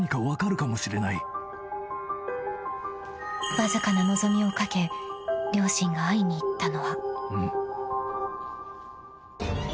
［わずかな望みを懸け両親が会いに行ったのは］